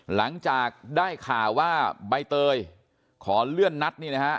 หลังจากได้ข่าวว่าใบเตยขอเลื่อนนัดนี่นะฮะ